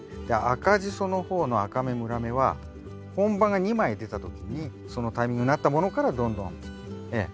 赤ジソの方の赤芽紫芽は本葉が２枚出た時にそのタイミングになったものからどんどんええ